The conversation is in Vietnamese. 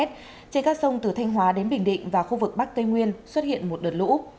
trên các sông từ thanh hóa đến bình định và khu vực bắc tây nguyên xuất hiện một đợt lũ